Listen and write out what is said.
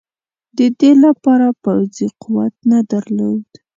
د دې لپاره پوځي قوت نه درلود.